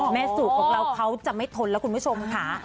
แม่ซุของเธอเขาจะไม่ทนแล้วคุณผู้ชมหา